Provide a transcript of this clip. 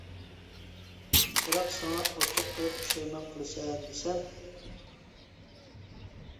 بىراق ساڭا ئوچۇق قىلىپ پۇشايمان قىلىسەن دېسەم.